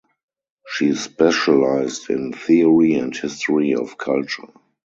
She specialized in "Theory and History of Culture".